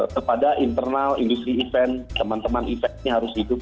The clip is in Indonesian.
kepada internal industri event teman teman eventnya harus hidup